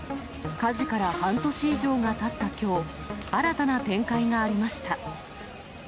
火事から半年以上がたったきょう、新たな展開がありました。